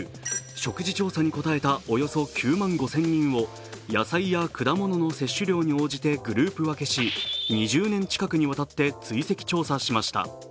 食事調査に応えたおよそ９万５０００人を野菜や果物の摂取量に応じてグループ分けし、２０年近くにわたって追跡調査しました。